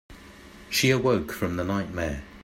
She awoke from the nightmare.